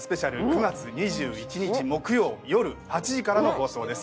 ９月２１日木曜よる８時からの放送です。